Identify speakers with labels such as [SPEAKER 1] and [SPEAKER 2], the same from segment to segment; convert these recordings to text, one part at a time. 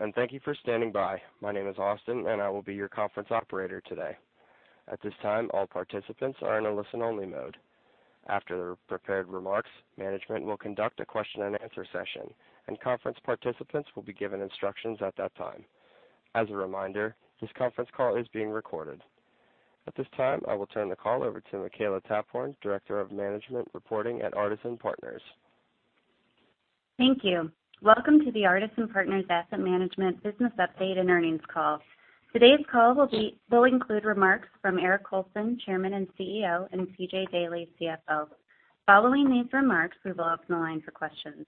[SPEAKER 1] Hello. Thank you for standing by. My name is Austin. I will be your conference operator today. At this time, all participants are in a listen-only mode. After the prepared remarks, management will conduct a question and answer session. Conference participants will be given instructions at that time. As a reminder, this conference call is being recorded. At this time, I will turn the call over to Makela Taphorn, Director of Investor Relations at Artisan Partners.
[SPEAKER 2] Thank you. Welcome to the Artisan Partners Asset Management Business Update and Earnings Call. Today's call will include remarks from Eric Colson, Chairman and CEO, and C.J. Daley, CFO. Following these remarks, we will open the line for questions.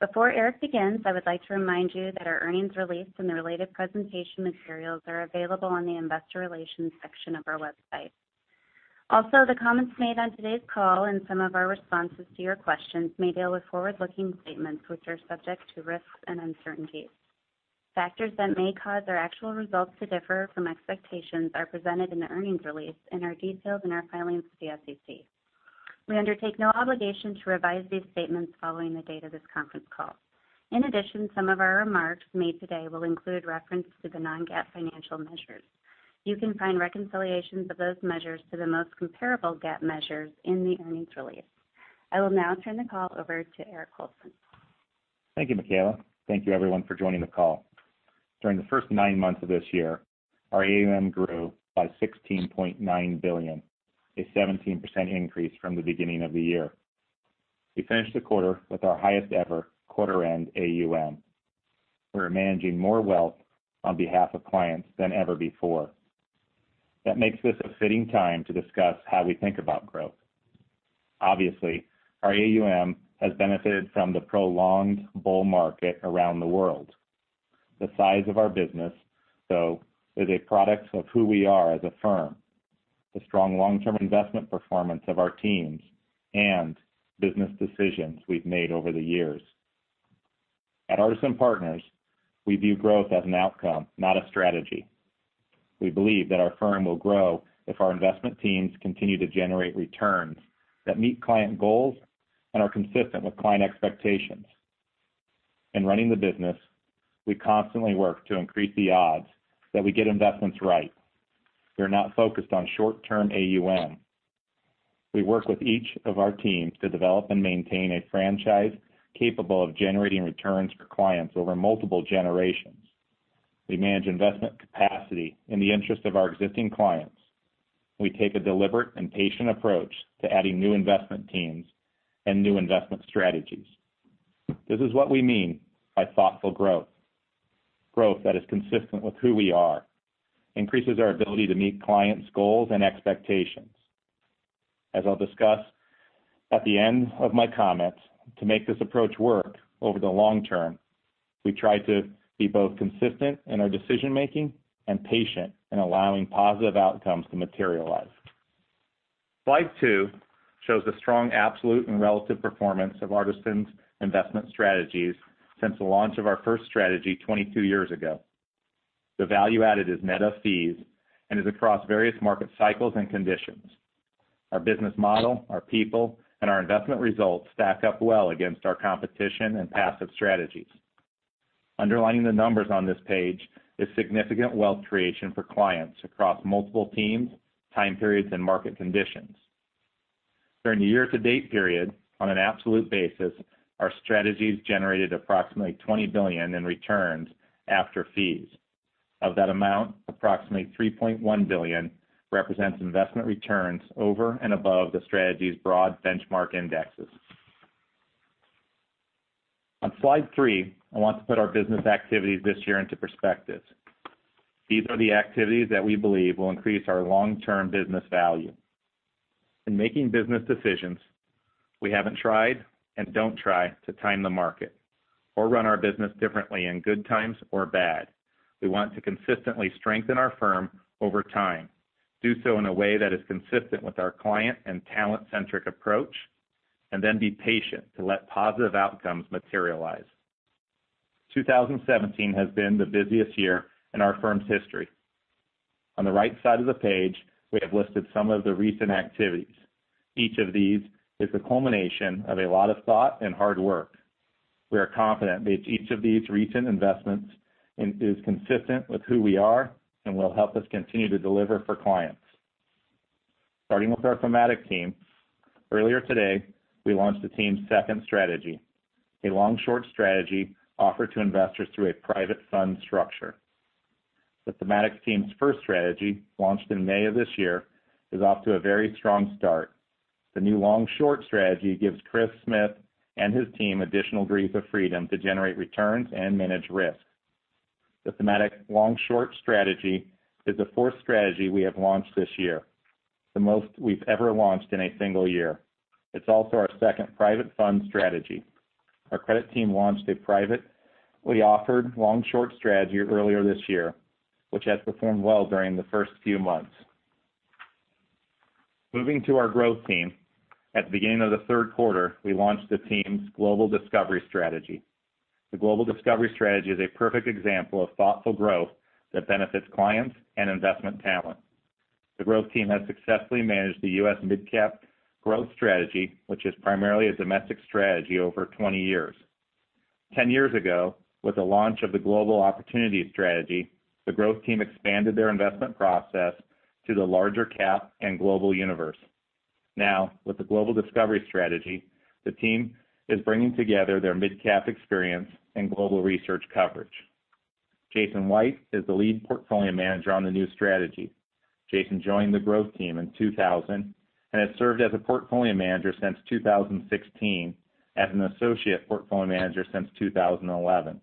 [SPEAKER 2] Before Eric begins, I would like to remind you that our earnings release and the related presentation materials are available on the investor relations section of our website. The comments made on today's call and some of our responses to your questions may deal with forward-looking statements, which are subject to risks and uncertainties. Factors that may cause our actual results to differ from expectations are presented in the earnings release and are detailed in our filings with the SEC. We undertake no obligation to revise these statements following the date of this conference call. Some of our remarks made today will include reference to the non-GAAP financial measures. You can find reconciliations of those measures to the most comparable GAAP measures in the earnings release. I will now turn the call over to Eric Colson.
[SPEAKER 3] Thank you, Makela. Thank you everyone for joining the call. During the first 9 months of this year, our AUM grew by $16.9 billion, a 17% increase from the beginning of the year. We finished the quarter with our highest ever quarter-end AUM. We are managing more wealth on behalf of clients than ever before. That makes this a fitting time to discuss how we think about growth. Our AUM has benefited from the prolonged bull market around the world. The size of our business, though, is a product of who we are as a firm, the strong long-term investment performance of our teams, and business decisions we've made over the years. At Artisan Partners, we view growth as an outcome, not a strategy. We believe that our firm will grow if our investment teams continue to generate returns that meet client goals and are consistent with client expectations. In running the business, we constantly work to increase the odds that we get investments right. We are not focused on short-term AUM. We work with each of our teams to develop and maintain a franchise capable of generating returns for clients over multiple generations. We manage investment capacity in the interest of our existing clients. We take a deliberate and patient approach to adding new investment teams and new investment strategies. This is what we mean by thoughtful growth. Growth that is consistent with who we are, increases our ability to meet clients' goals and expectations. As I'll discuss at the end of my comments, to make this approach work over the long term, we try to be both consistent in our decision-making and patient in allowing positive outcomes to materialize. Slide two shows the strong absolute and relative performance of Artisan's investment strategies since the launch of our first strategy 22 years ago. The value added is net of fees and is across various market cycles and conditions. Our business model, our people, and our investment results stack up well against our competition and passive strategies. Underlining the numbers on this page is significant wealth creation for clients across multiple teams, time periods, and market conditions. During the year-to-date period, on an absolute basis, our strategies generated approximately $20 billion in returns after fees. Of that amount, approximately $3.1 billion represents investment returns over and above the strategy's broad benchmark indexes. On slide three, I want to put our business activities this year into perspective. These are the activities that we believe will increase our long-term business value. In making business decisions, we haven't tried, and don't try, to time the market or run our business differently in good times or bad. We want to consistently strengthen our firm over time, do so in a way that is consistent with our client and talent-centric approach, and then be patient to let positive outcomes materialize. 2017 has been the busiest year in our firm's history. On the right side of the page, we have listed some of the recent activities. Each of these is a culmination of a lot of thought and hard work. We are confident that each of these recent investments is consistent with who we are and will help us continue to deliver for clients. Starting with our thematic team, earlier today, we launched the team's second strategy, a long-short strategy offered to investors through a private fund structure. The thematic team's first strategy, launched in May of this year, is off to a very strong start. The new long-short strategy gives Chris Smith and his team additional degrees of freedom to generate returns and manage risk. The thematic long-short strategy is the fourth strategy we have launched this year, the most we've ever launched in a single year. It's also our second private fund strategy. Our credit team launched a privately offered long-short strategy earlier this year, which has performed well during the first few months. Moving to our growth team. At the beginning of the third quarter, we launched the team's Global Discovery Strategy. The Global Discovery Strategy is a perfect example of thoughtful growth that benefits clients and investment talent. The growth team has successfully managed the U.S. Mid-Cap Growth Strategy, which is primarily a domestic strategy, over 20 years. Ten years ago, with the launch of the Global Opportunities Strategy, the growth team expanded their investment process to the larger cap and global universe. Now, with the Global Discovery Strategy, the team is bringing together their mid-cap experience and global research coverage. Jason White is the lead portfolio manager on the new strategy. Jason joined the growth team in 2000 and has served as a portfolio manager since 2016, as an associate portfolio manager since 2011.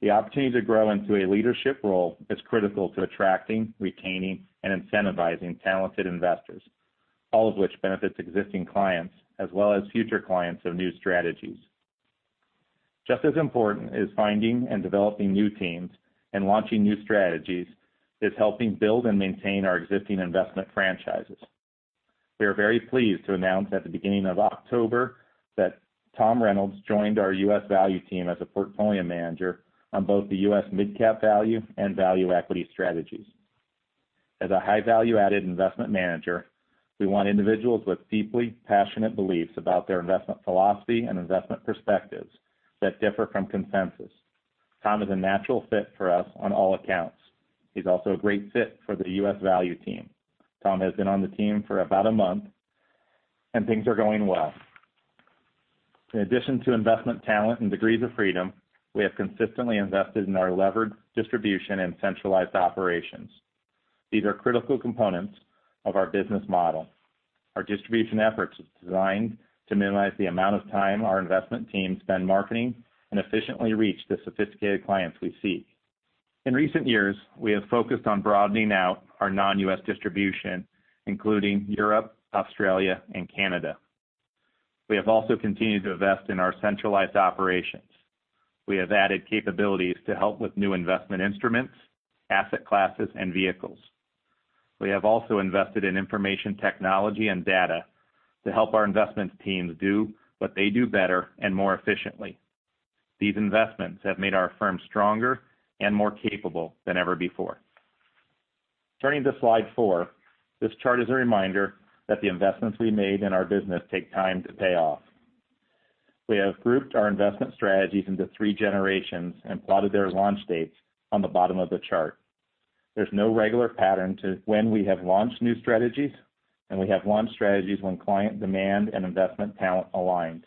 [SPEAKER 3] The opportunity to grow into a leadership role is critical to attracting, retaining, and incentivizing talented investors, all of which benefits existing clients as well as future clients of new strategies. Just as important is finding and developing new teams and launching new strategies is helping build and maintain our existing investment franchises. We are very pleased to announce at the beginning of October that Tom Reynolds joined our U.S. Value team as a portfolio manager on both the U.S. Mid-Cap Value and Value Equity strategies. As a high value-added investment manager, we want individuals with deeply passionate beliefs about their investment philosophy and investment perspectives that differ from consensus. Tom is a natural fit for us on all accounts. He's also a great fit for the U.S. Value team. Tom has been on the team for about a month, and things are going well. In addition to investment talent and degrees of freedom, we have consistently invested in our levered distribution and centralized operations. These are critical components of our business model. Our distribution efforts are designed to minimize the amount of time our investment teams spend marketing and efficiently reach the sophisticated clients we see. In recent years, we have focused on broadening out our non-U.S. distribution, including Europe, Australia, and Canada. We have also continued to invest in our centralized operations. We have added capabilities to help with new investment instruments, asset classes, and vehicles. We have also invested in information technology and data to help our investment teams do what they do better and more efficiently. These investments have made our firm stronger and more capable than ever before. Turning to slide four, this chart is a reminder that the investments we made in our business take time to pay off. We have grouped our investment strategies into three generations and plotted their launch dates on the bottom of the chart. There's no regular pattern to when we have launched new strategies, and we have launched strategies when client demand and investment talent aligned.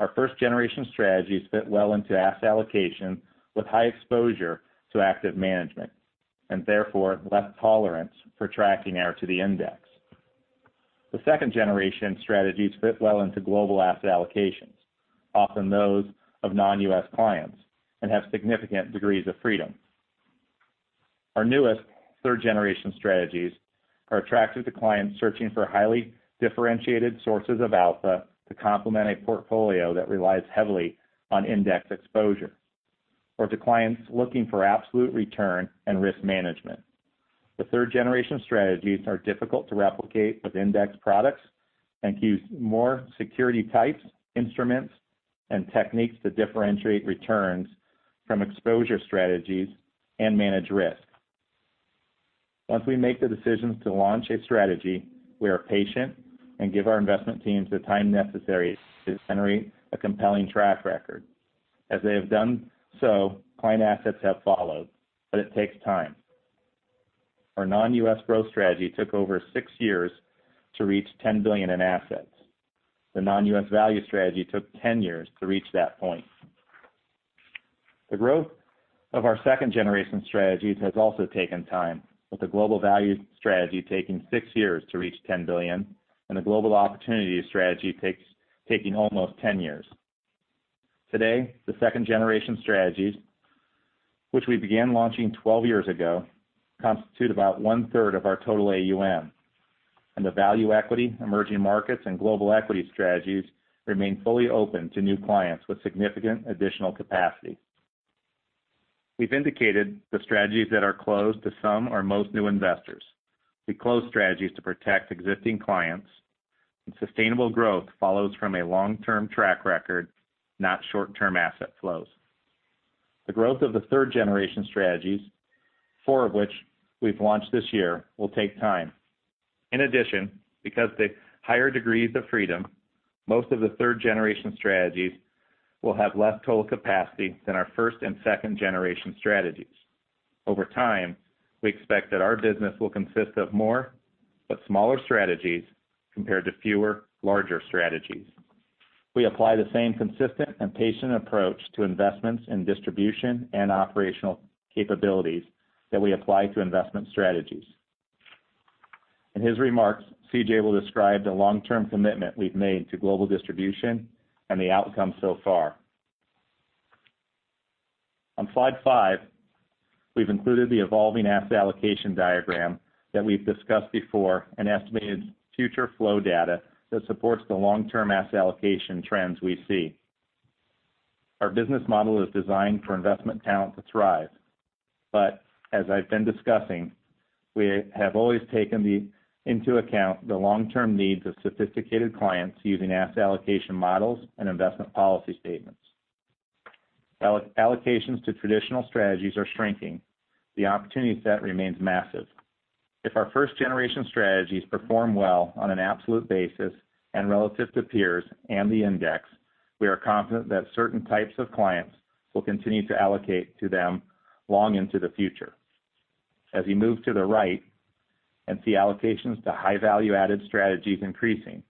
[SPEAKER 3] Our first-generation strategies fit well into asset allocation with high exposure to active management and therefore less tolerance for tracking error to the index. The second-generation strategies fit well into global asset allocations, often those of non-U.S. clients, and have significant degrees of freedom. Our newest third-generation strategies are attractive to clients searching for highly differentiated sources of alpha to complement a portfolio that relies heavily on index exposure or to clients looking for absolute return and risk management. The third-generation strategies are difficult to replicate with index products and use more security types, instruments, and techniques to differentiate returns from exposure strategies and manage risk. Once we make the decisions to launch a strategy, we are patient and give our investment teams the time necessary to generate a compelling track record. As they have done so, client assets have followed, but it takes time. Our Non-US Growth strategy took over six years to reach $10 billion in assets. The Non-US Value strategy took 10 years to reach that point. The growth of our second-generation strategies has also taken time, with the Global Value strategy taking six years to reach $10 billion and the Global Opportunities strategy taking almost 10 years. Today, the second-generation strategies, which we began launching 12 years ago, constitute about one-third of our total AUM, and the Value Equity, Emerging Markets, and Global Equity strategies remain fully open to new clients with significant additional capacity. We've indicated the strategies that are closed to some or most new investors. We close strategies to protect existing clients, and sustainable growth follows from a long-term track record, not short-term asset flows. The growth of the third-generation strategies, four of which we've launched this year, will take time. In addition, because of the higher degrees of freedom, most of the third-generation strategies will have less total capacity than our first and second-generation strategies. Over time, we expect that our business will consist of more but smaller strategies compared to fewer larger strategies. We apply the same consistent and patient approach to investments in distribution and operational capabilities that we apply to investment strategies. In his remarks, C.J. Will describe the long-term commitment we've made to global distribution and the outcome so far. On slide five, we've included the evolving asset allocation diagram that we've discussed before, an estimated future flow data that supports the long-term asset allocation trends we see. Our business model is designed for investment talent to thrive. As I've been discussing, we have always taken into account the long-term needs of sophisticated clients using asset allocation models and investment policy statements. While allocations to traditional strategies are shrinking, the opportunity set remains massive. If our first-generation strategies perform well on an absolute basis and relative to peers and the index, we are confident that certain types of clients will continue to allocate to them long into the future. As we move to the right and see allocations to high value-added strategies increasing,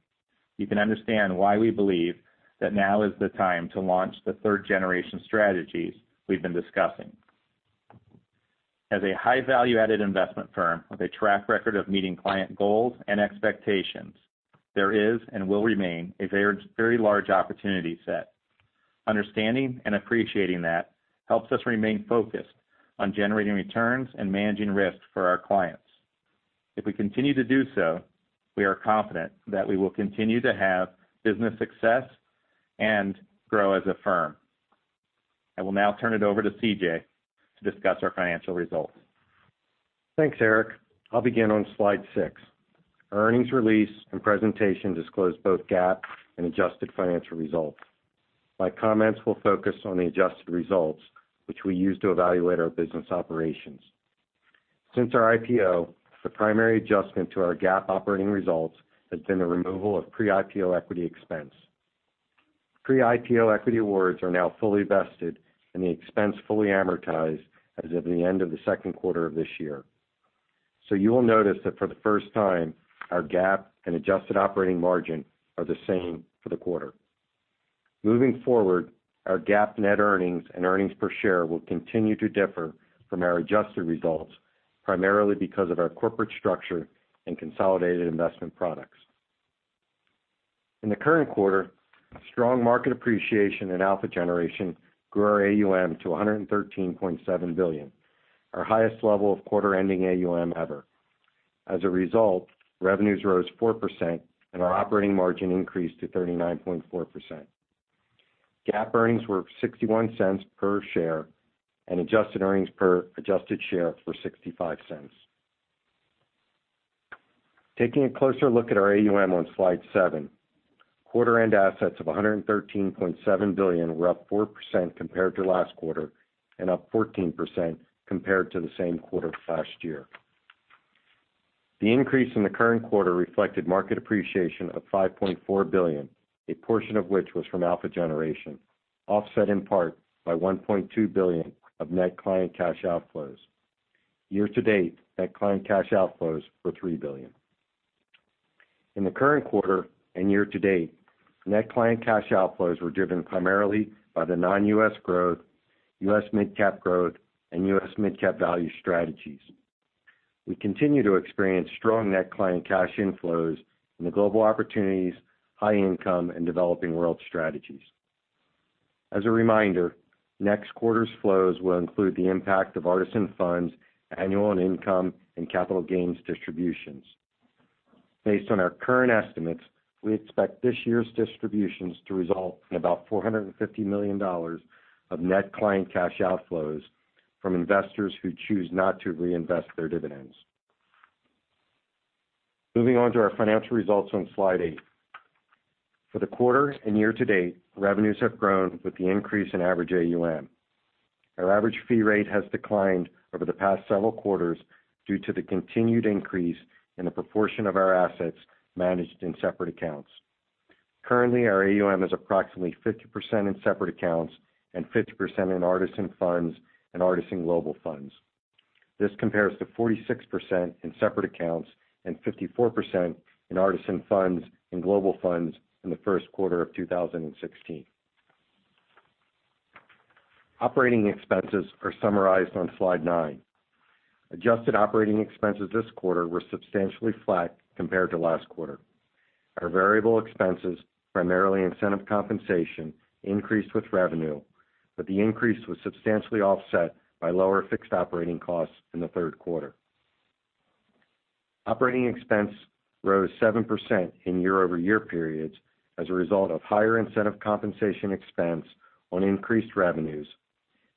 [SPEAKER 3] you can understand why we believe that now is the time to launch the third-generation strategies we've been discussing. As a high value-added investment firm with a track record of meeting client goals and expectations, there is and will remain a very large opportunity set. Understanding and appreciating that helps us remain focused on generating returns and managing risk for our clients. If we continue to do so, we are confident that we will continue to have business success and grow as a firm. I will now turn it over to CJ to discuss our financial results.
[SPEAKER 4] Thanks, Eric. I'll begin on slide six. Our earnings release and presentation disclose both GAAP and adjusted financial results. My comments will focus on the adjusted results, which we use to evaluate our business operations. Since our IPO, the primary adjustment to our GAAP operating results has been the removal of pre-IPO equity expense. Pre-IPO equity awards are now fully vested, and the expense fully amortized as of the end of the second quarter of this year. You will notice that for the first time, our GAAP and adjusted operating margin are the same for the quarter. Moving forward, our GAAP net earnings and earnings per share will continue to differ from our adjusted results, primarily because of our corporate structure and consolidated investment products. In the current quarter, strong market appreciation and alpha generation grew our AUM to $113.7 billion, our highest level of quarter-ending AUM ever. As a result, revenues rose 4%, and our operating margin increased to 39.4%. GAAP earnings were $0.61 per share, and adjusted earnings per adjusted share were $0.65. Taking a closer look at our AUM on slide seven. Quarter-end assets of $113.7 billion were up 4% compared to last quarter and up 14% compared to the same quarter of last year. The increase in the current quarter reflected market appreciation of $5.4 billion, a portion of which was from alpha generation, offset in part by $1.2 billion of net client cash outflows. Year-to-date, net client cash outflows were $3 billion. In the current quarter and year-to-date, net client cash outflows were driven primarily by the Non-US Growth, U.S. Mid-Cap Growth, and U.S. Mid-Cap Value strategies. We continue to experience strong net client cash inflows in the Global Opportunities, High Income, and Developing World strategies. As a reminder, next quarter's flows will include the impact of Artisan Funds, annual income, and capital gains distributions. Based on our current estimates, we expect this year's distributions to result in about $450 million of net client cash outflows from investors who choose not to reinvest their dividends. Moving on to our financial results on slide eight. For the quarter and year-to-date, revenues have grown with the increase in average AUM. Our average fee rate has declined over the past several quarters due to the continued increase in the proportion of our assets managed in separate accounts. Currently, our AUM is approximately 50% in separate accounts and 50% in Artisan Funds and Artisan Global Funds. This compares to 46% in separate accounts and 54% in Artisan Funds and Global Funds in the first quarter of 2016. Operating expenses are summarized on slide nine. Adjusted operating expenses this quarter were substantially flat compared to last quarter. Our variable expenses, primarily incentive compensation, increased with revenue, but the increase was substantially offset by lower fixed operating costs in the third quarter. Operating expense rose 7% in year-over-year periods as a result of higher incentive compensation expense on increased revenues,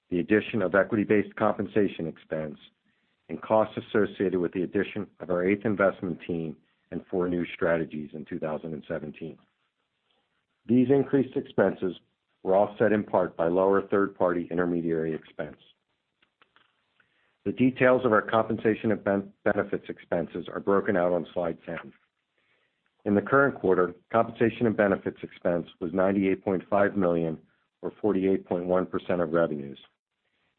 [SPEAKER 4] the addition of equity-based compensation expense, and costs associated with the addition of our eighth investment team and four new strategies in 2017. These increased expenses were offset in part by lower third-party intermediary expense. The details of our compensation and benefits expenses are broken out on slide 10. In the current quarter, compensation and benefits expense was $98.5 million or 48.1% of revenues.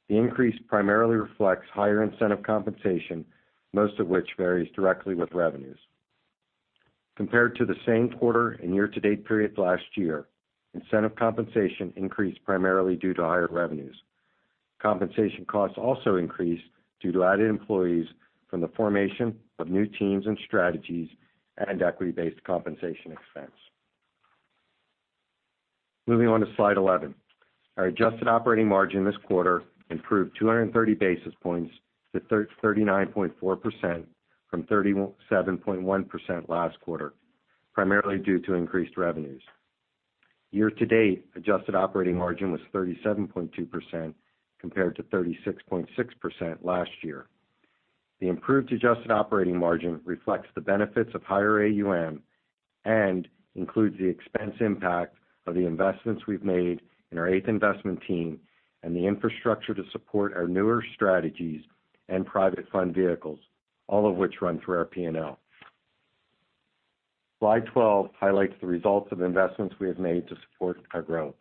[SPEAKER 4] The increase primarily reflects higher incentive compensation, most of which varies directly with revenues. Compared to the same quarter and year-to-date period last year, incentive compensation increased primarily due to higher revenues. Compensation costs also increased due to added employees from the formation of new teams and strategies and equity-based compensation expense. Moving on to slide 11. Our adjusted operating margin this quarter improved 230 basis points to 39.4% from 37.1% last quarter, primarily due to increased revenues. Year-to-date, adjusted operating margin was 37.2% compared to 36.6% last year. The improved adjusted operating margin reflects the benefits of higher AUM and includes the expense impact of the investments we've made in our eighth investment team and the infrastructure to support our newer strategies and private fund vehicles, all of which run through our P&L. Slide 12 highlights the results of investments we have made to support our growth.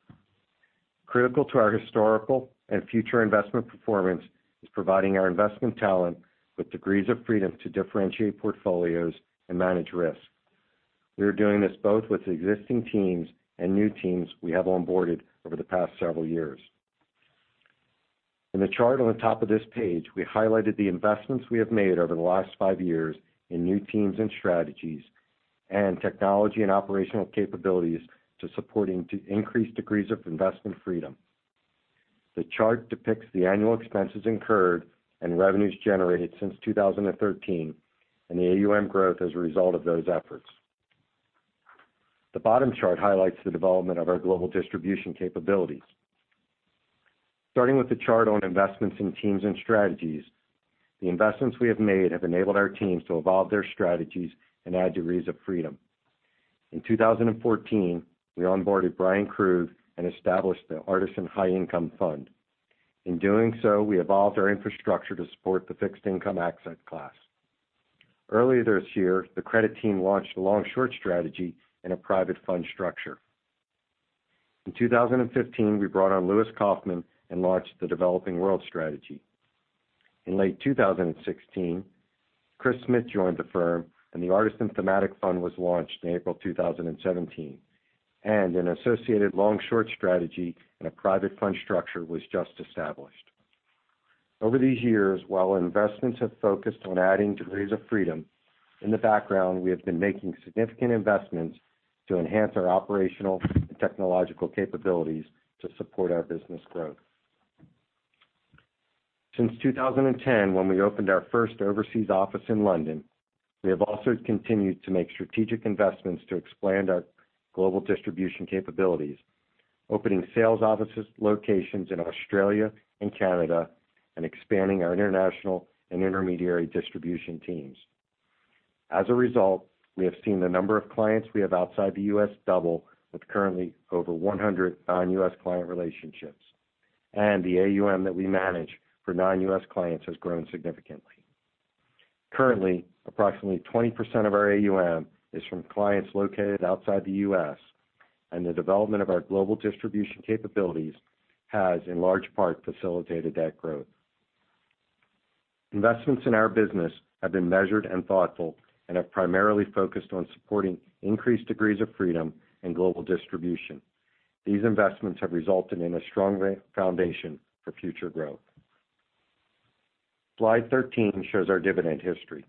[SPEAKER 4] Critical to our historical and future investment performance is providing our investment talent with degrees of freedom to differentiate portfolios and manage risk. We are doing this both with existing teams and new teams we have onboarded over the past several years. In the chart on the top of this page, we highlighted the investments we have made over the last five years in new teams and strategies, and technology and operational capabilities to supporting increased degrees of investment freedom. The chart depicts the annual expenses incurred and revenues generated since 2013, and the AUM growth as a result of those efforts. The bottom chart highlights the development of our global distribution capabilities. Starting with the chart on investments in teams and strategies, the investments we have made have enabled our teams to evolve their strategies and add degrees of freedom. In 2014, we onboarded Bryan Krug and established the Artisan High Income Fund. In doing so, we evolved our infrastructure to support the fixed income asset class. Earlier this year, the credit team launched a long-short strategy in a private fund structure. In 2015, we brought on Lewis Kaufman and launched the Developing World Strategy. In late 2016, Chris Smith joined the firm, and the Artisan Thematic Fund was launched in April 2017, and an associated long short strategy in a private fund structure was just established. Over these years, while investments have focused on adding degrees of freedom, in the background, we have been making significant investments to enhance our operational and technological capabilities to support our business growth. Since 2010, when we opened our first overseas office in London, we have also continued to make strategic investments to expand our global distribution capabilities, opening sales office locations in Australia and Canada, and expanding our international and intermediary distribution teams. As a result, we have seen the number of clients we have outside the U.S. double with currently over 100 non-U.S. client relationships, and the AUM that we manage for non-U.S. clients has grown significantly. Currently, approximately 20% of our AUM is from clients located outside the U.S., and the development of our global distribution capabilities has, in large part, facilitated that growth. Investments in our business have been measured and thoughtful and have primarily focused on supporting increased degrees of freedom and global distribution. These investments have resulted in a strong foundation for future growth. Slide 13 shows our dividend history.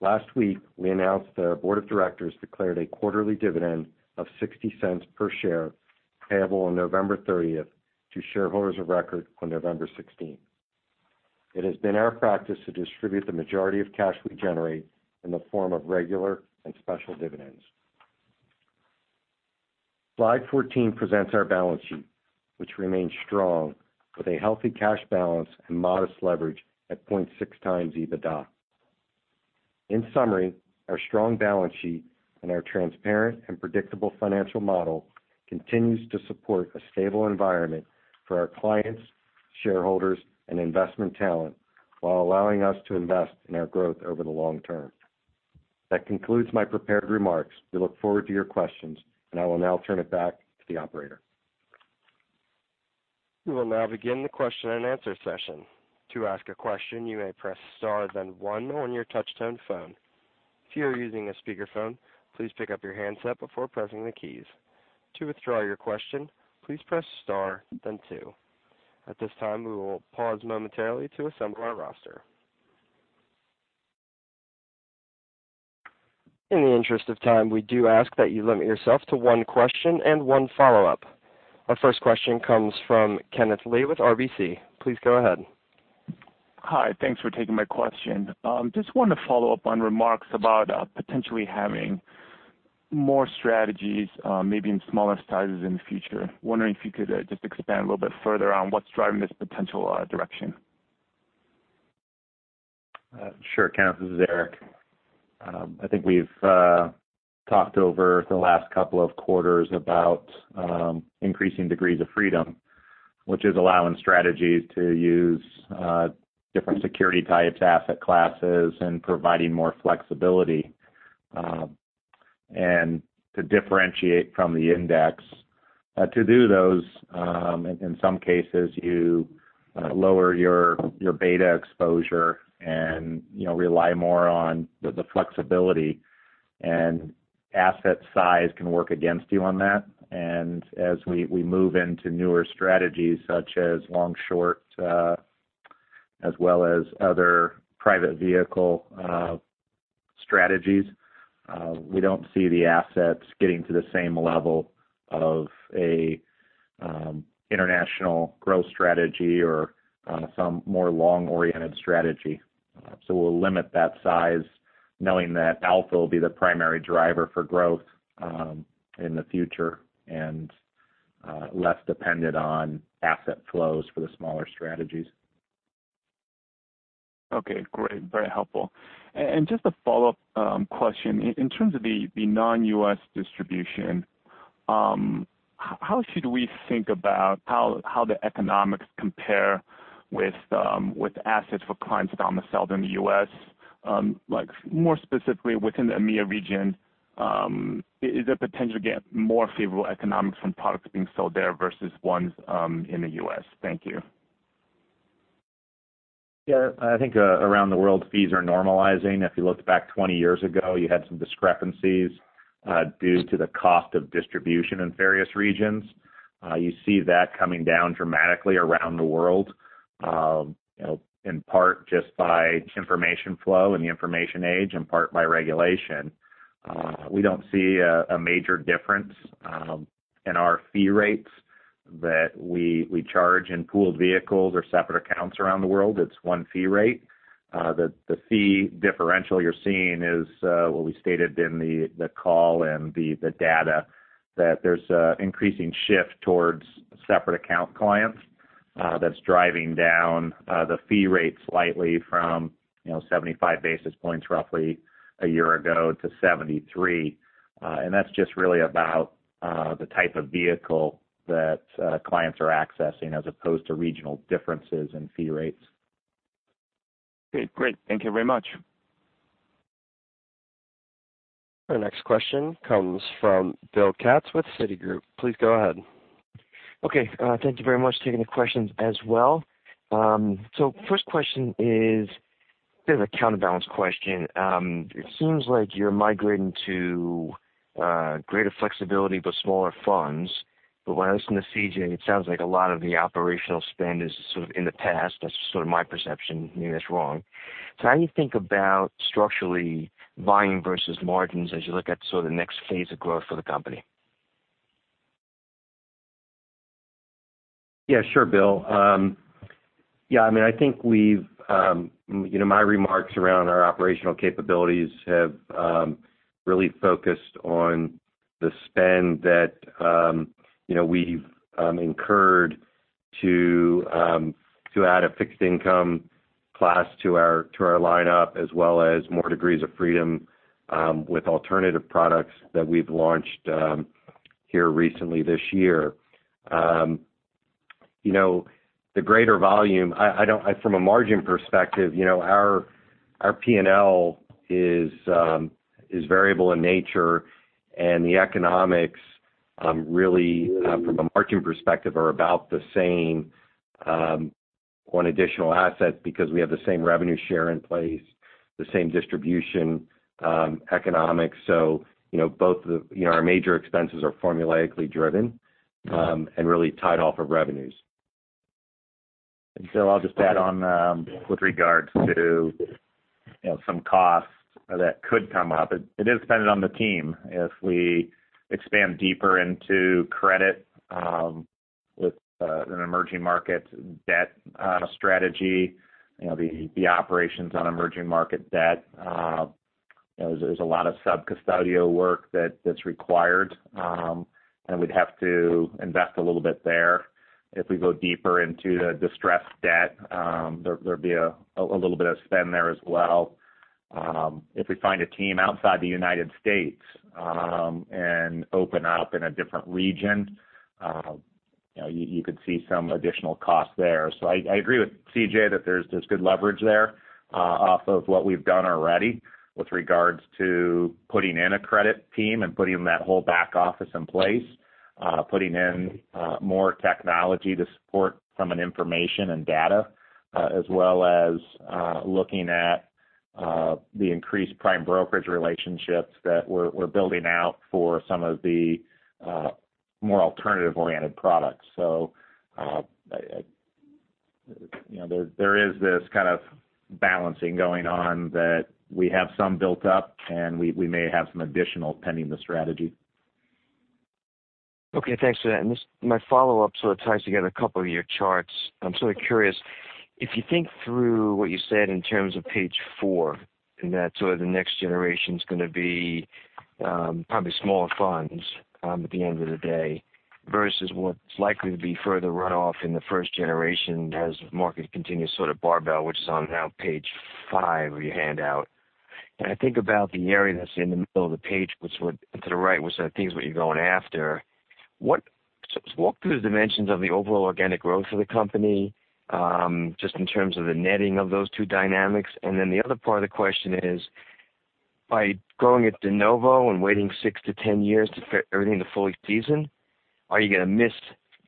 [SPEAKER 4] Last week, we announced the board of directors declared a quarterly dividend of $0.60 per share payable on November 30th to shareholders of record on November 16th. It has been our practice to distribute the majority of cash we generate in the form of regular and special dividends. Slide 14 presents our balance sheet, which remains strong with a healthy cash balance and modest leverage at 0.6 times EBITDA. In summary, our strong balance sheet and our transparent and predictable financial model continues to support a stable environment for our clients, shareholders, and investment talent while allowing us to invest in our growth over the long term. That concludes my prepared remarks. We look forward to your questions, and I will now turn it back to the operator.
[SPEAKER 1] We will now begin the question and answer session. To ask a question, you may press star, then one on your touch-tone phone. If you are using a speakerphone, please pick up your handset before pressing the keys. To withdraw your question, please press star, then two. At this time, we will pause momentarily to assemble our roster. In the interest of time, we do ask that you limit yourself to one question and one follow-up. Our first question comes from Kenneth Lee with RBC. Please go ahead.
[SPEAKER 5] Hi. Thanks for taking my question. Just wanted to follow up on remarks about potentially having more strategies, maybe in smaller sizes in the future. Wondering if you could just expand a little bit further on what's driving this potential direction.
[SPEAKER 3] Sure, Ken. This is Eric. I think we've talked over the last couple of quarters about increasing degrees of freedom, which is allowing strategies to use different security types, asset classes, and providing more flexibility, and to differentiate from the index. To do those, in some cases, you lower your beta exposure and rely more on the flexibility, and asset size can work against you on that. As we move into newer strategies such as long-short, as well as other private vehicle strategies, we don't see the assets getting to the same level of a international growth strategy or some more long-oriented strategy. We'll limit that size knowing that alpha will be the primary driver for growth in the future and less dependent on asset flows for the smaller strategies.
[SPEAKER 5] Okay, great. Very helpful. Just a follow-up question. In terms of the non-U.S. distribution, how should we think about how the economics compare with assets for clients domiciled in the U.S.? More specifically, within the EMEA region, is there potential to get more favorable economics from products being sold there versus ones in the U.S.? Thank you.
[SPEAKER 3] Yeah. I think around the world, fees are normalizing. If you looked back 20 years ago, you had some discrepancies due to the cost of distribution in various regions. You see that coming down dramatically around the world, in part just by information flow in the information age, and part by regulation. We don't see a major difference in our fee rates that we charge in pooled vehicles or separate accounts around the world. It's one fee rate. The fee differential you're seeing is what we stated in the call and the data, that there's an increasing shift towards separate account clients that's driving down the fee rate slightly from 75 basis points roughly a year ago to 73. That's just really about the type of vehicle that clients are accessing as opposed to regional differences in fee rates.
[SPEAKER 5] Okay, great. Thank you very much.
[SPEAKER 1] The next question comes from Bill Katz with Citigroup. Please go ahead.
[SPEAKER 6] Okay. Thank you very much. Taking the questions as well. First question is a bit of a counterbalance question. It seems like you're migrating to greater flexibility but smaller funds. When I listen to C.J., it sounds like a lot of the operational spend is sort of in the past. That's sort of my perception, maybe that's wrong. How do you think about structurally buying versus margins as you look at sort of next phase of growth for the company?
[SPEAKER 4] Yeah, sure, Bill. I think my remarks around our operational capabilities have really focused on the spend that we've incurred to add a fixed income class to our lineup as well as more degrees of freedom with alternative products that we've launched here recently this year. The greater volume, from a margin perspective, our P&L is variable in nature, and the economics really, from a margin perspective, are about the same on additional assets because we have the same revenue share in place, the same distribution economics. Our major expenses are formulaically driven and really tied off of revenues.
[SPEAKER 3] I'll just add on with regards to some costs that could come up. It is dependent on the team. If we expand deeper into credit with an emerging market debt strategy, the operations on emerging market debt, there's a lot of subcustodial work that's required. We'd have to invest a little bit there. If we go deeper into distressed debt, there'd be a little bit of spend there as well. If we find a team outside the U.S. and open up in a different region, you could see some additional costs there. I agree with C.J. that there's good leverage there off of what we've done already with regards to putting in a credit team and putting that whole back office in place. Putting in more technology to support some information and data, as well as looking at the increased prime brokerage relationships that we're building out for some of the more alternative-oriented products. There is this kind of balancing going on that we have some built up, and we may have some additional pending the strategy.
[SPEAKER 6] Okay, thanks for that. My follow-up sort of ties together a couple of your charts. I'm sort of curious. If you think through what you said in terms of page four, and that sort of the next generation's going to be probably smaller funds at the end of the day, versus what's likely to be further runoff in the first generation as market continues sort of barbell, which is on now page five of your handout. I think about the area that's in the middle of the page to the right, which I think is what you're going after. Walk through the dimensions of the overall organic growth of the company, just in terms of the netting of those two dynamics. The other part of the question is, by going at de novo and waiting 6 to 10 years to fit everything to fully season, are you going to miss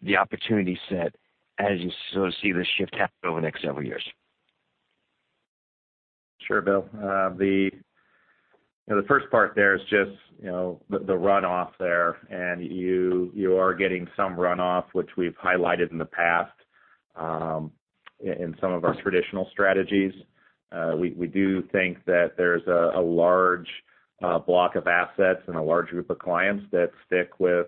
[SPEAKER 6] the opportunity set as you sort of see this shift happen over the next several years?
[SPEAKER 3] Sure, Bill. The first part there is just the runoff there, and you are getting some runoff, which we've highlighted in the past in some of our traditional strategies. We do think that there's a large block of assets and a large group of clients that stick with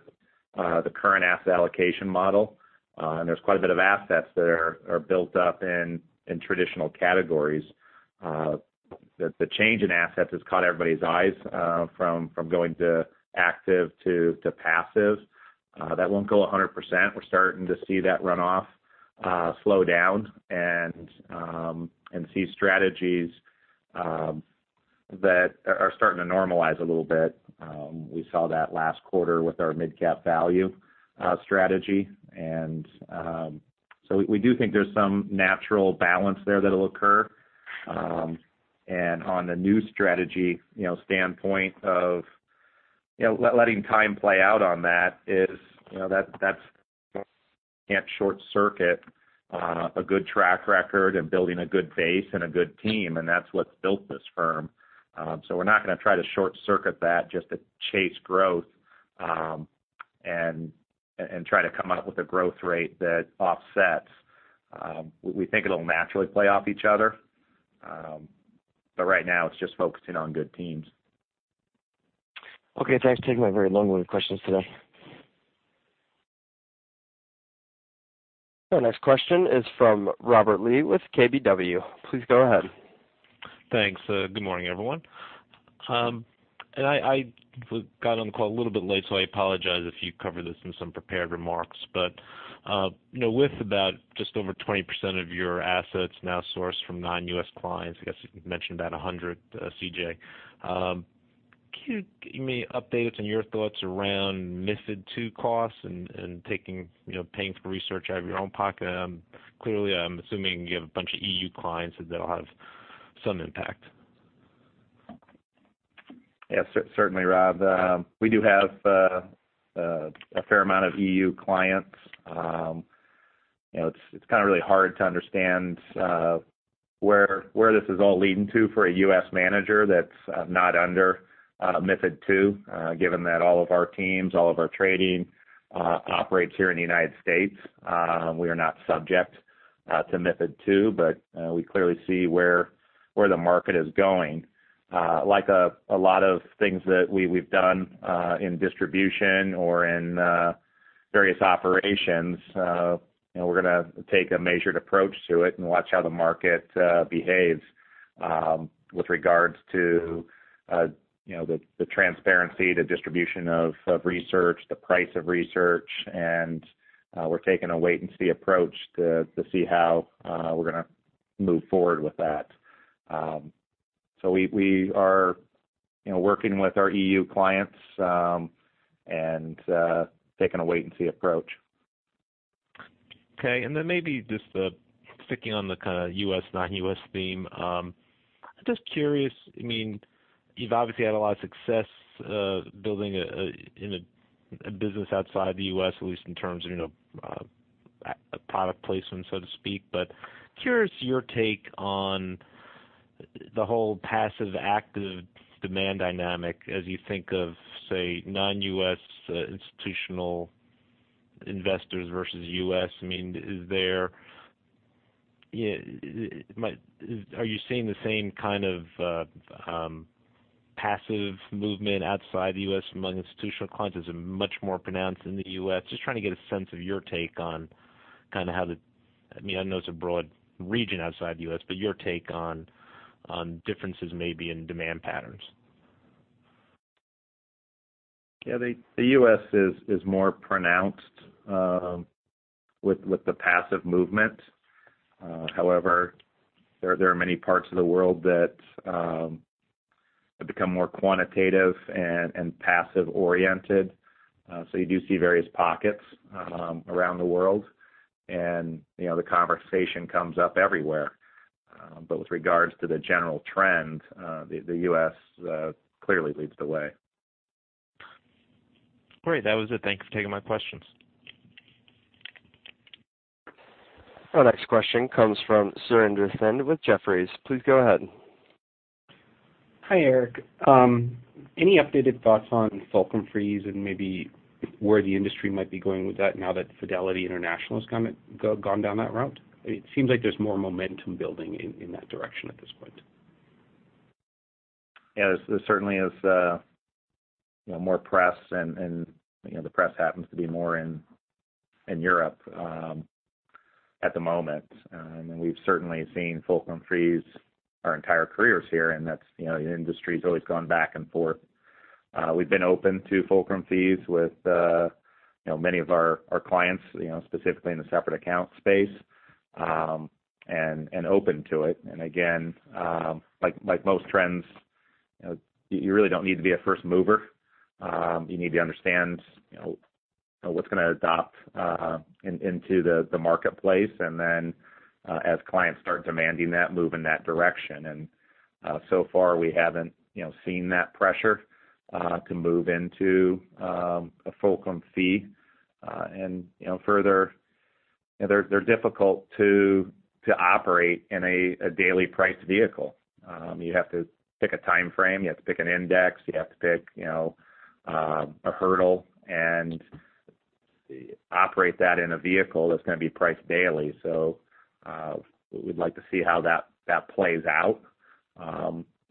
[SPEAKER 3] the current asset allocation model. There's quite a bit of assets that are built up in traditional categories. The change in assets has caught everybody's eyes, from going to active to passive. That won't go 100%. We're starting to see that runoff slow down and see strategies that are starting to normalize a little bit. We saw that last quarter with our Mid-Cap Value strategy. We do think there's some natural balance there that'll occur. On the new strategy standpoint of letting time play out on that is, that's can't short-circuit a good track record and building a good base and a good team. That's what's built this firm. We're not going to try to short-circuit that just to chase growth, and try to come up with a growth rate that offsets. We think it'll naturally play off each other. Right now, it's just focusing on good teams.
[SPEAKER 6] Okay. Thanks for taking my very long-winded questions today.
[SPEAKER 1] Our next question is from Robert Lee with KBW. Please go ahead.
[SPEAKER 7] Thanks. Good morning, everyone. I got on the call a little bit late, so I apologize if you covered this in some prepared remarks. With about just over 20% of your assets now sourced from non-U.S. clients, I guess you've mentioned about 100, CJ. Can you give me updates on your thoughts around MiFID II costs and paying for research out of your own pocket? Clearly, I'm assuming you have a bunch of EU clients that'll have some impact.
[SPEAKER 3] Yes. Certainly, Rob. We do have a fair amount of EU clients. It's kind of really hard to understand where this is all leading to for a U.S. manager that's not under MiFID II. Given that all of our teams, all of our trading operates here in the United States, we are not subject to MiFID II, we clearly see where the market is going. Like a lot of things that we've done in distribution or in various operations, we're going to take a measured approach to it and watch how the market behaves, with regards to the transparency, the distribution of research, the price of research, and we're taking a wait-and-see approach to see how we're going to move forward with that. We are working with our EU clients, and taking a wait-and-see approach.
[SPEAKER 7] Okay. Maybe just sticking on the kind of U.S., non-U.S. theme. Just curious, you've obviously had a lot of success building a business outside the U.S., at least in terms of product placement, so to speak. Curious, your take on the whole passive-active demand dynamic as you think of, say, non-U.S. institutional investors versus U.S. Are you seeing the same kind of passive movement outside the U.S. among institutional clients? Is it much more pronounced in the U.S.? Just trying to get a sense of your take on kind of how I know it's a broad region outside the U.S., but your take on differences maybe in demand patterns.
[SPEAKER 3] Yeah. The U.S. is more pronounced with the passive movement. However, there are many parts of the world that have become more quantitative and passive-oriented. You do see various pockets around the world, and the conversation comes up everywhere. With regards to the general trend, the U.S. clearly leads the way.
[SPEAKER 7] Great. That was it. Thanks for taking my questions.
[SPEAKER 1] Our next question comes from Surinder Thind with Jefferies. Please go ahead.
[SPEAKER 8] Hi, Eric. Any updated thoughts on fulcrum fees and maybe where Fidelity International has gone down that route? It seems like there's more momentum building in that direction at this point.
[SPEAKER 3] Yes. There certainly is more press, and the press happens to be more in Europe at the moment. We've certainly seen fulcrum fees our entire careers here, the industry's always gone back and forth. We've been open to fulcrum fees with many of our clients, specifically in the separate account space, open to it. Again, like most trends, you really don't need to be a first mover. You need to understand what's going to adopt into the marketplace, and then as clients start demanding that, move in that direction. So far, we haven't seen that pressure to move into a fulcrum fee. Further, they're difficult to operate in a daily price vehicle. You have to pick a timeframe, you have to pick an index, you have to pick a hurdle and operate that in a vehicle that's going to be priced daily. We'd like to see how that plays out.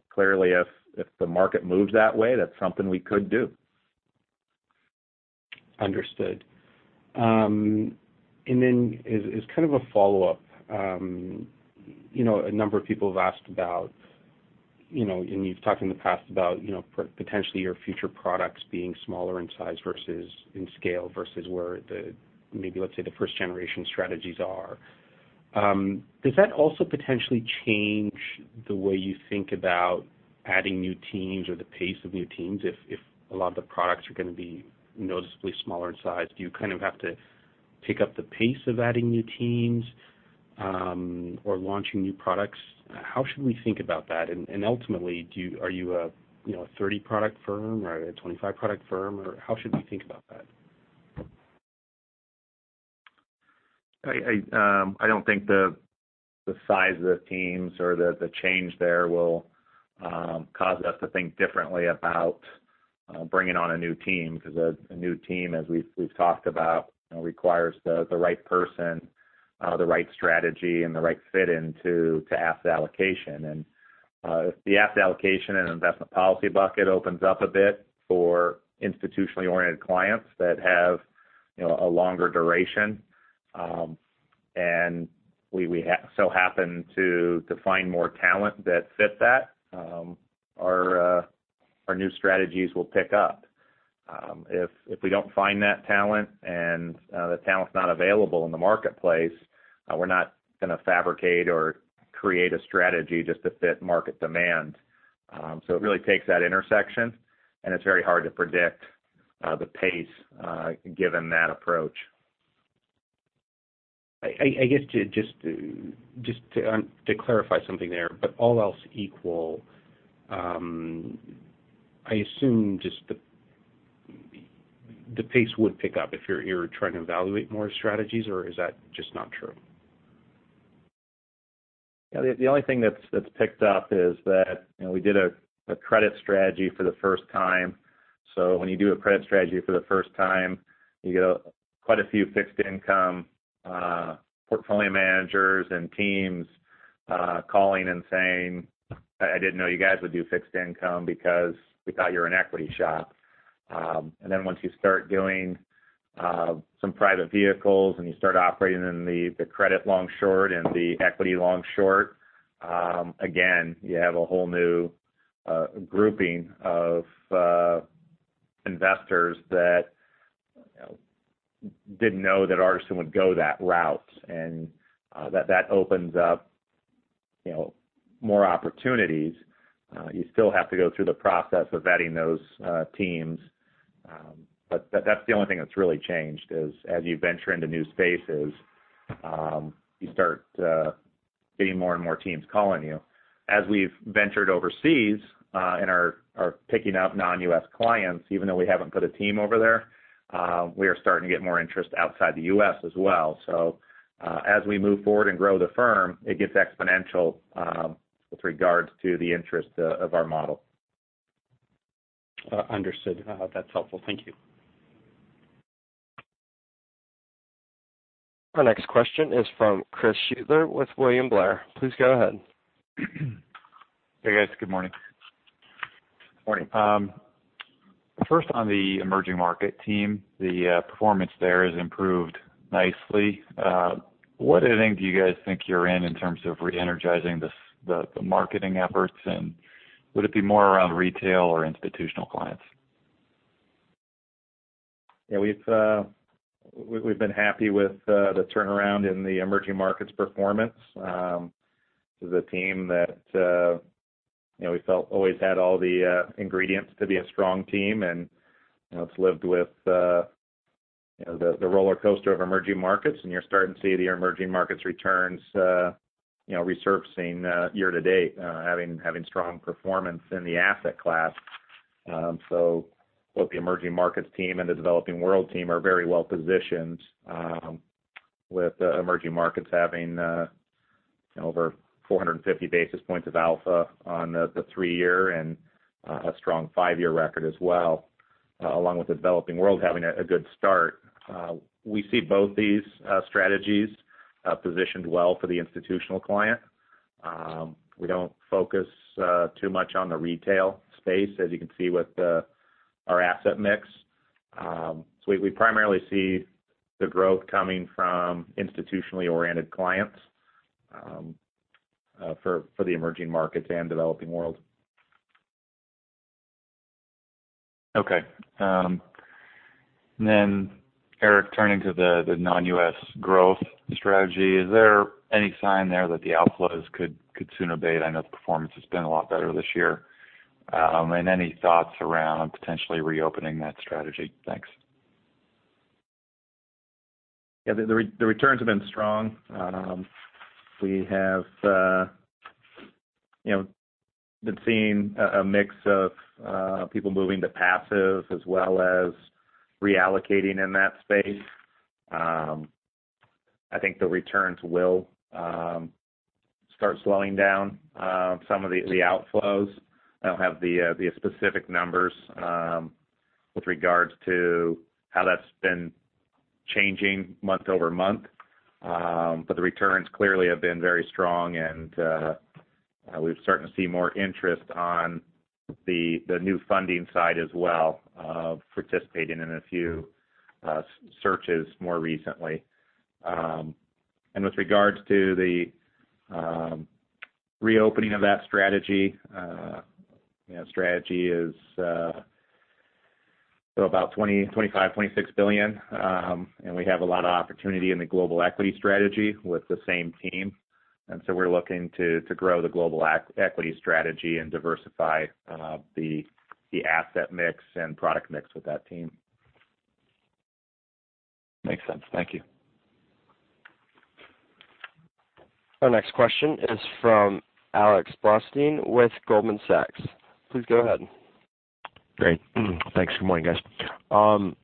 [SPEAKER 3] Clearly, if the market moves that way, that's something we could do.
[SPEAKER 8] Understood. As kind of a follow-up, a number of people have asked about, and you've talked in the past about, potentially your future products being smaller in size versus in scale, versus where maybe, let's say, the first-generation strategies are. Does that also potentially change the way you think about adding new teams or the pace of new teams if a lot of the products are going to be noticeably smaller in size? Do you kind of have to pick up the pace of adding new teams or launching new products? How should we think about that? Ultimately, are you a 30-product firm or a 25-product firm, or how should we think about that?
[SPEAKER 3] I don't think the size of the teams or the change there will cause us to think differently about bringing on a new team. A new team, as we've talked about, requires the right person, the right strategy, and the right fit into asset allocation. If the asset allocation and investment policy bucket opens up a bit for institutionally-oriented clients that have a longer duration, we so happen to find more talent that fits that, our new strategies will pick up. If we don't find that talent, the talent's not available in the marketplace, we're not going to fabricate or create a strategy just to fit market demand. It really takes that intersection, and it's very hard to predict the pace given that approach.
[SPEAKER 8] I guess, just to clarify something there, all else equal, I assume just the pace would pick up if you're trying to evaluate more strategies, or is that just not true?
[SPEAKER 3] The only thing that's picked up is that we did a credit strategy for the first time. When you do a credit strategy for the first time, you get quite a few fixed-income portfolio managers and teams calling and saying, "I didn't know you guys would do fixed income because we thought you were an equity shop." Once you start doing some private vehicles, you start operating in the credit long-short and the equity long-short, again, you have a whole new grouping of investors that didn't know that Artisan would go that route. That opens up more opportunities. You still have to go through the process of vetting those teams. That's the only thing that's really changed is, as you venture into new spaces, you start seeing more and more teams calling you. As we've ventured overseas, and are picking up non-U.S. clients, even though we haven't put a team over there, we are starting to get more interest outside the U.S. as well. As we move forward and grow the firm, it gets exponential with regards to the interest of our model.
[SPEAKER 8] Understood. That's helpful. Thank you.
[SPEAKER 1] Our next question is from Chris Shutler with William Blair. Please go ahead.
[SPEAKER 9] Hey, guys. Good morning.
[SPEAKER 3] Morning.
[SPEAKER 9] First on the Emerging Markets team, the performance there has improved nicely. What inning do you guys think you're in terms of re-energizing the marketing efforts? Would it be more around retail or institutional clients?
[SPEAKER 3] We've been happy with the turnaround in the Emerging Markets performance. This is a team that we felt always had all the ingredients to be a strong team, and it's lived with the rollercoaster of Emerging Markets, and you're starting to see the Emerging Markets returns resurfacing year-to-date, having strong performance in the asset class. Both the Emerging Markets team and the Developing World team are very well-positioned, with Emerging Markets having over 450 basis points of alpha on the three-year, and a strong five-year record as well, along with the Developing World having a good start. We see both these strategies positioned well for the institutional client. We don't focus too much on the retail space, as you can see with our asset mix. We primarily see the growth coming from institutionally-oriented clients for the Emerging Markets and Developing World.
[SPEAKER 9] Okay. Eric, turning to the Non-US Growth Strategy, is there any sign there that the outflows could soon abate? I know the performance has been a lot better this year. Any thoughts around potentially reopening that strategy? Thanks.
[SPEAKER 3] Yeah, the returns have been strong. We have been seeing a mix of people moving to passive as well as reallocating in that space. I think the returns will start slowing down some of the outflows. I don't have the specific numbers with regards to how that's been changing month-over-month. The returns clearly have been very strong, and we're starting to see more interest on the new funding side as well, participating in a few searches more recently. With regards to the reopening of that strategy, that strategy is about $25 billion-$26 billion. We have a lot of opportunity in the Global Equity Strategy with the same team. We're looking to grow the Global Equity Strategy and diversify the asset mix and product mix with that team.
[SPEAKER 9] Makes sense. Thank you.
[SPEAKER 1] Our next question is from Alex Blostein with Goldman Sachs. Please go ahead.
[SPEAKER 10] Great. Thanks. Good morning, guys.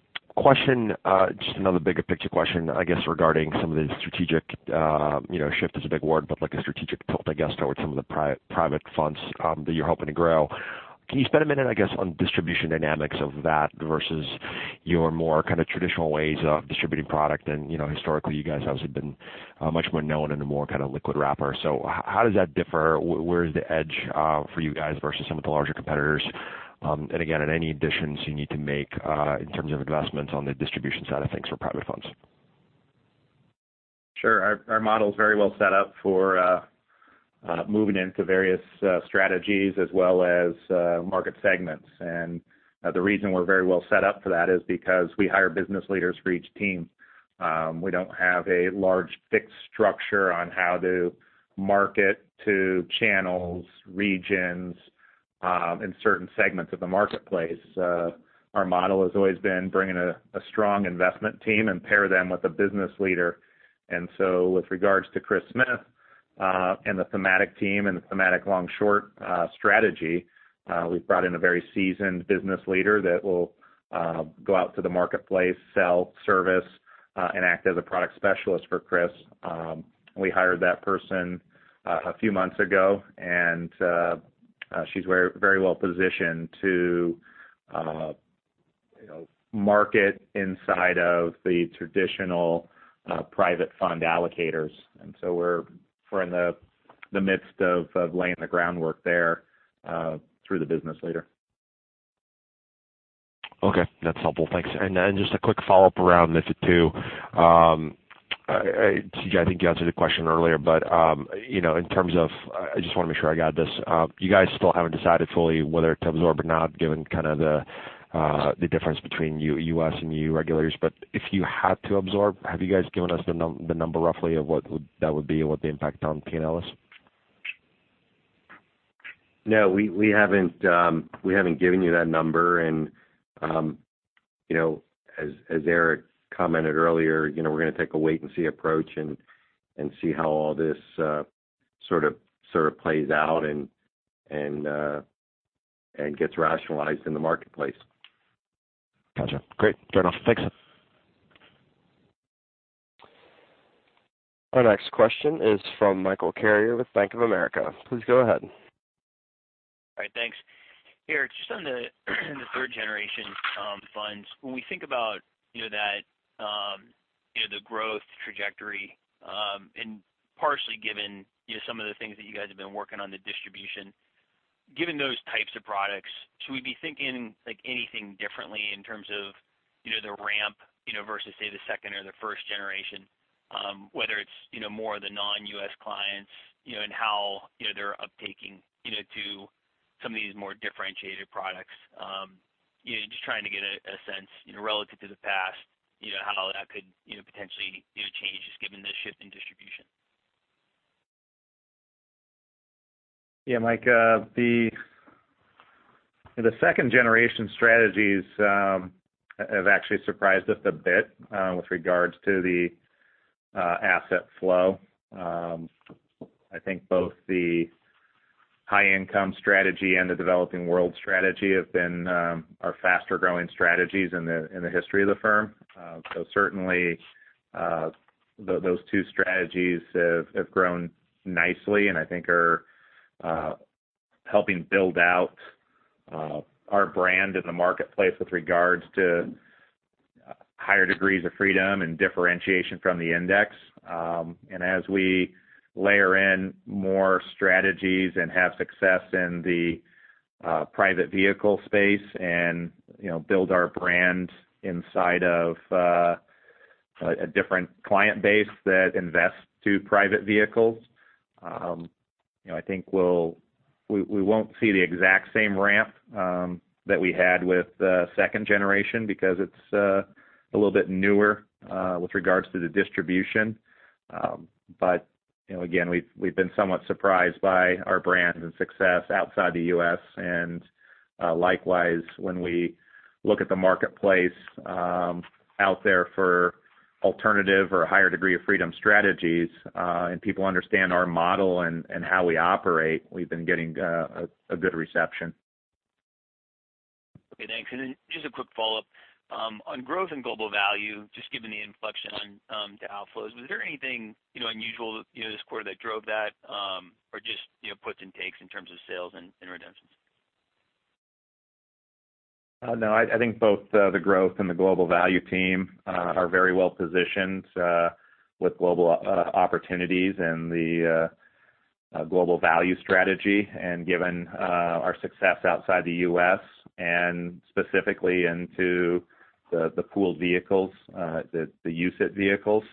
[SPEAKER 10] Just another bigger picture question, I guess, regarding some of the strategic, shift is a big word, but like a strategic tilt, I guess, toward some of the private funds that you're hoping to grow. Can you spend a minute, I guess, on distribution dynamics of that versus your more kind of traditional ways of distributing product? Historically, you guys obviously have been much more known in a more kind of liquid wrapper. How does that differ? Where is the edge for you guys versus some of the larger competitors? Again, any additions you need to make in terms of investments on the distribution side of things for private funds?
[SPEAKER 3] Sure. Our model is very well set up for moving into various strategies as well as market segments. The reason we're very well set up for that is because we hire business leaders for each team. We don't have a large fixed structure on how to market to channels, regions, in certain segments of the marketplace. Our model has always been bring in a strong investment team and pair them with a business leader. With regards to Chris Smith, and the thematic team, and the thematic long-short strategy, we've brought in a very seasoned business leader that will go out to the marketplace, sell, service, and act as a product specialist for Chris. We hired that person a few months ago, and she's very well-positioned to market inside of the traditional private fund allocators. We're in the midst of laying the groundwork there through the business leader.
[SPEAKER 10] Okay. That's helpful. Thanks. Just a quick follow-up around this, too. C.J., I think you answered the question earlier. I just want to make sure I got this. You guys still haven't decided fully whether to absorb or not, given kind of the difference between U.S. and EU regulators. If you had to absorb, have you guys given us the number roughly of what that would be and what the impact on P&L is?
[SPEAKER 4] No, we haven't given you that number. As Eric commented earlier, we're going to take a wait and see approach and see how all this sort of plays out and gets rationalized in the marketplace.
[SPEAKER 10] Got you. Great. Fair enough. Thanks.
[SPEAKER 1] Our next question is from Michael Carrier with Bank of America. Please go ahead.
[SPEAKER 11] All right. Thanks. Eric, just on the third-generation funds. When we think about the growth trajectory, and partially given some of the things that you guys have been working on the distribution. Given those types of products, should we be thinking anything differently in terms of the ramp versus, say, the second or the first generation? Whether it's more the non-U.S. clients, and how they're uptaking to some of these more differentiated products. Just trying to get a sense, relative to the past, how that could potentially change just given the shift in distribution.
[SPEAKER 3] Yeah, Mike. The second-generation strategies have actually surprised us a bit with regards to the asset flow. I think both the High Income strategy and the Developing World strategy have been our faster-growing strategies in the history of the firm. Certainly, those two strategies have grown nicely and I think are helping build out our brand in the marketplace with regards to higher degrees of freedom and differentiation from the index. As we layer in more strategies and have success in the private vehicle space and build our brand inside of a different client base that invests to private vehicles. I think we won't see the exact same ramp that we had with the second generation because it's a little bit newer with regards to the distribution. Again, we've been somewhat surprised by our brand and success outside the U.S. Likewise, when we look at the marketplace out there for alternative or higher degree of freedom strategies, and people understand our model and how we operate, we've been getting a good reception.
[SPEAKER 11] Okay, thanks. Just a quick follow-up. On growth and Global Value, just given the inflection on the outflows, was there anything unusual this quarter that drove that? Just puts and takes in terms of sales and redemption?
[SPEAKER 3] No, I think both the growth and the Global Value team are very well positioned with Global Opportunities and the Global Value strategy. Given our success outside the U.S., and specifically into the pooled vehicles, the UCITS vehicles,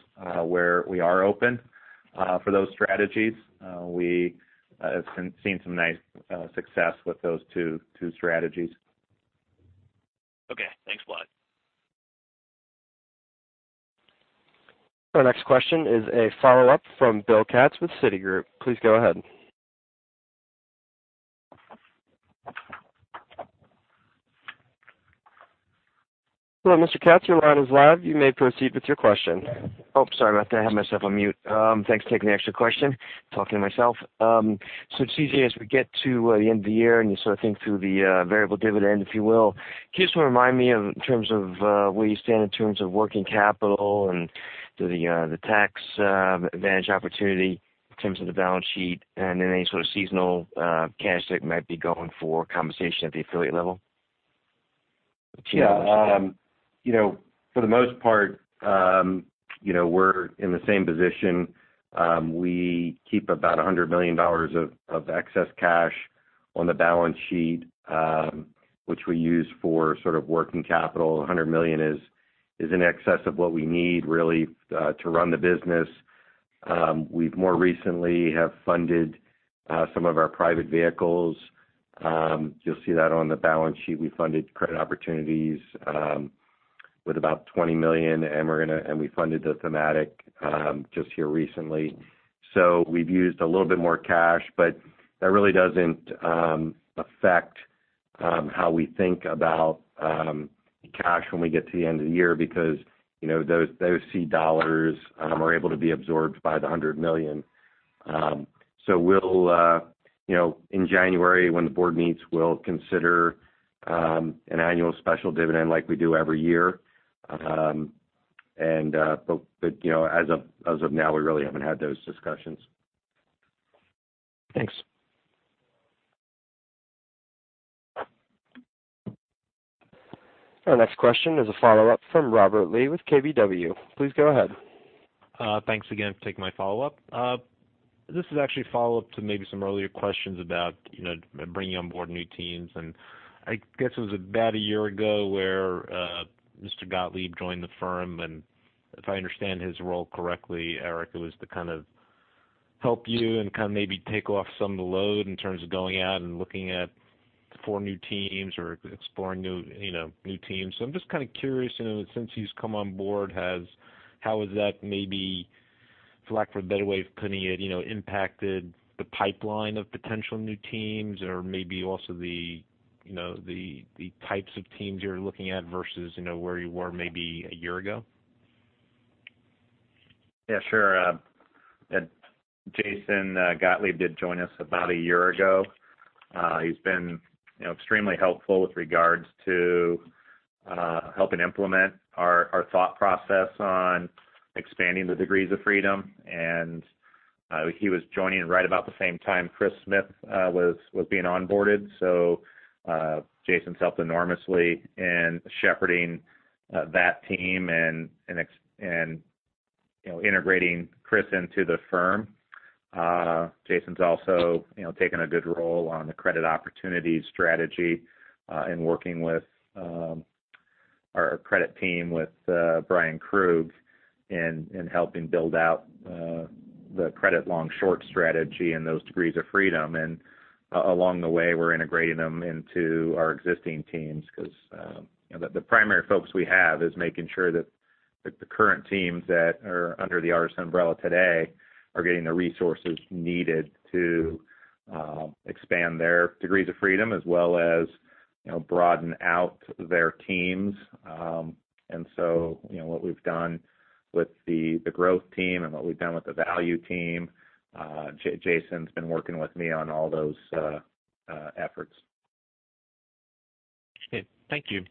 [SPEAKER 3] where we are open for those strategies. We have seen some nice success with those two strategies.
[SPEAKER 11] Okay, thanks a lot.
[SPEAKER 1] Our next question is a follow-up from Bill Katz with Citigroup. Please go ahead. Hello, Mr. Katz, your line is live. You may proceed with your question.
[SPEAKER 6] Sorry about that. I had myself on mute. Thanks for taking the extra question. Talking to myself. C.J., as we get to the end of the year, and you sort of think through the variable dividend, if you will. Can you just remind me in terms of where you stand in terms of working capital and the tax advantage opportunity in terms of the balance sheet and any sort of seasonal cash that might be going for compensation at the affiliate level?
[SPEAKER 4] Yeah. For the most part, we're in the same position. We keep about $100 million of excess cash on the balance sheet, which we use for sort of working capital. $100 million is in excess of what we need, really, to run the business. We more recently have funded some of our private vehicles. You'll see that on the balance sheet. We funded Credit Opportunities with about $20 million, and we funded the Thematic just here recently. We've used a little bit more cash, but that really doesn't affect how we think about cash when we get to the end of the year because those C dollars are able to be absorbed by the $100 million. In January, when the board meets, we'll consider an annual special dividend like we do every year. As of now, we really haven't had those discussions.
[SPEAKER 6] Thanks.
[SPEAKER 1] Our next question is a follow-up from Robert Lee with KBW. Please go ahead.
[SPEAKER 7] Thanks again for taking my follow-up. This is actually a follow-up to maybe some earlier questions about bringing on board new teams. I guess it was about a year ago where Mr. Gottlieb joined the firm, and if I understand his role correctly, Eric, it was to kind of help you and kind of maybe take off some of the load in terms of going out and looking at four new teams or exploring new teams. I'm just kind of curious, since he's come on board, how has that maybe, for lack of a better way of putting it, impacted the pipeline of potential new teams or maybe also the types of teams you're looking at versus where you were maybe a year ago?
[SPEAKER 4] Yeah, sure. Jason Gottlieb did join us about a year ago. He's been extremely helpful with regards to helping implement our thought process on expanding the degrees of freedom. He was joining right about the same time Chris Smith was being onboarded. Jason's helped enormously in shepherding that team and integrating Chris into the firm. Jason's also taken a good role on the Credit Opportunities strategy in working with our credit team, with Bryan Krug, in helping build out the credit long-short strategy and those degrees of freedom. Along the way, we're integrating them into our existing teams because the primary focus we have is making sure that the current teams that are under the Artisan umbrella today are getting the resources needed to expand their degrees of freedom as well as broaden out their teams.
[SPEAKER 3] What we've done with the growth team and what we've done with the value team, Jason's been working with me on all those efforts.
[SPEAKER 7] Okay. Thank you.